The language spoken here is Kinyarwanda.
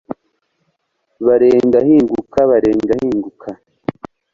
barenga ahinguka barenga ahinguka